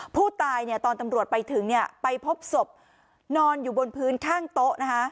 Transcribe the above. ผู้ตายเนี่ยตอนตำรวจไปถึงเนี่ยไปพบสบนอนอยู่บนพื้นข้างโต๊ะนะฮะ